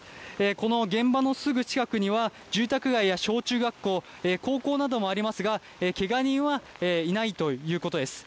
この現場のすぐ近くには、住宅街や小中学校、高校などもありますが、けが人はいないということです。